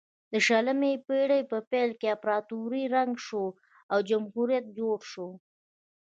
د شلمې پیړۍ په پیل کې امپراتوري ړنګه شوه او جمهوریت جوړ شو.